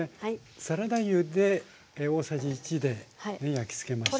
サラダ油で大さじ１で焼きつけました。